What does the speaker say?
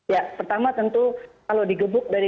ya pertama tentu kalau di gebuk dari